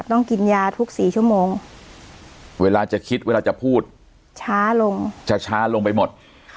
ต้องกินยาทุก๔ชั่วโมงเวลาจะคิดเวลาจะพูดช้าลงจะช้าลงไปหมด